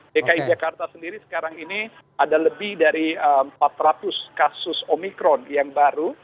dki jakarta sendiri sekarang ini ada lebih dari empat ratus kasus omikron yang baru